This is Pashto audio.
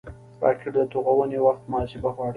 راکټ د توغونې وخت محاسبه غواړي